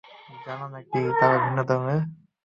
জানো নাকি তারা ভিন্ন ধর্মের।